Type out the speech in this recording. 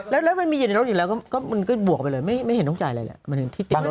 แล้วมันมีในรถอยู่แล้วก็บวกไปเลยไม่เห็นต้องจ่ายอะไรแหละ